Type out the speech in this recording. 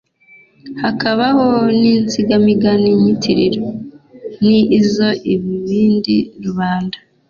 Hakabaho n’insigamigani nyitiriro: Ni izo ibindi rubanda